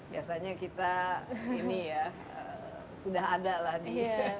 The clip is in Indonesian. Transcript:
biasanya kita ini ya sudah ada lah di